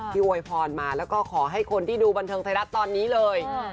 โวยพรมาแล้วก็ขอให้คนที่ดูบันเทิงไทยรัฐตอนนี้เลย